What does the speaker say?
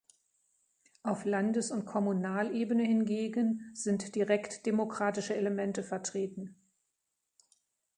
Auf Landes- und Kommunalebene hingegen sind direktdemokratische Elemente vertreten.